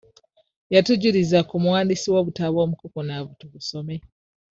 Yatujuliza ku muwandiisi w'obutabo omukukunavu tubusome.